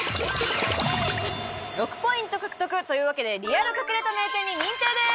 ６ポイント獲得というわけでリアル隠れた名店に認定です！